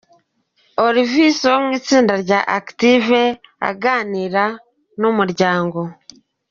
Olvis wo mu itsinda rya Active aganira n’umuryango.